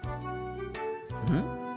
うん？